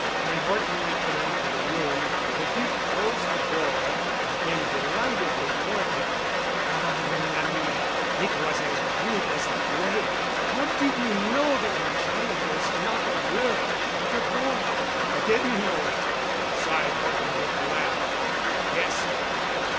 When Horton returned to the room the Duc closed the door and came delightedly toward him. "Ah, mon ami. It was as good as a play. How did you know that my child was not a girl—but a boy?" "I didn't know it," sighed Horton, with a laugh. "I guessed it."